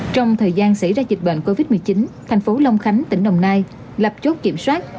trong thời gian xảy ra dịch bệnh covid một mươi chín thành phố long khánh tỉnh đồng nai lập chốt kiểm soát